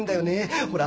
ほら。